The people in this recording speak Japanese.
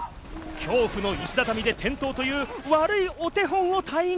恐怖の石畳で転倒という悪いお手本を体現。